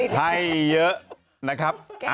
ไทยเยอะนะครับ